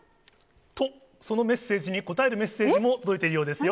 と、そのメッセージに答えるメッセージも届いているようですよ。